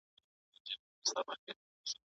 کله کله یوازې یو نظر تر ټولو لوی ډاډ وي.